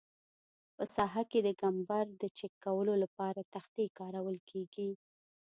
په ساحه کې د کمبر د چک کولو لپاره تختې کارول کیږي